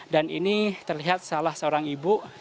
dan ini terlihat salah seorang ibu